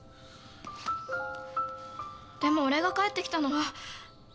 でも俺が帰ってきたのは。